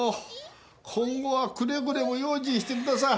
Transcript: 今後はくれぐれも用心してください。